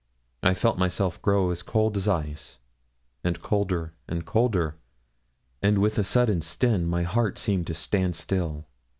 I felt myself grow cold as ice, and colder and colder, and with a sudden sten my heart seemed to stand still.